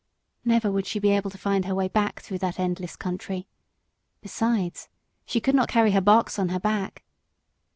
Never would she be able to find her way back through that endless country; besides, she could not carry her box on her back....